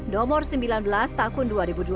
nomor sembilan belas tahun dua ribu dua puluh